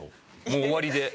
もう終わりで。